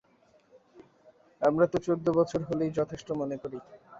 আমরা তো চোদ্দ বছর হলেই যথেষ্ট মনে করি!